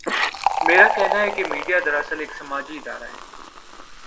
میرا کہنا ہے کہ میڈیا دراصل ایک سماجی ادارہ ہے۔